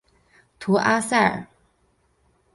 图阿尔塞。